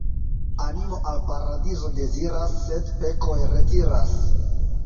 Animo al paradizo deziras, sed pekoj retiras.